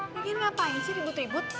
bikin ngapain sih ribut ribut